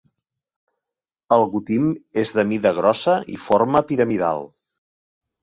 El gotim és de mida grossa i forma piramidal.